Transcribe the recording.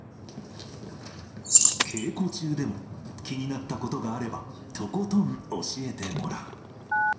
稽古中でも、気になったことがあれば、とことん教えてもらう。